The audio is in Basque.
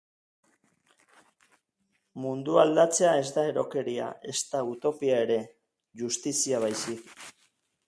Mundua aldatzea ez da erokeria ezta utopia ere, justizia baizik.